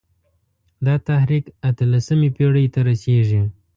دا تحریک اته لسمې پېړۍ ته رسېږي.